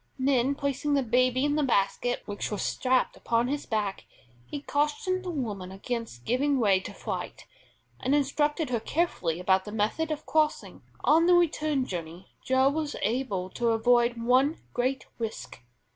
Then placing the baby in the basket which was strapped upon his back, he cautioned the woman against giving way to fright, and instructed her carefully about the method of crossing. On the return journey Joe was able to avoid one great risk.